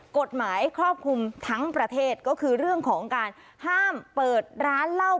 กฎหมายครอบคลุมทั้งประเทศก็คือเรื่องของการห้ามเปิดร้านเหล้า